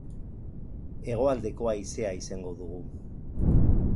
Hegoaldeko haizea izango dugu.